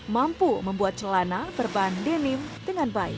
mampu membuat celana berbahan denim dengan baik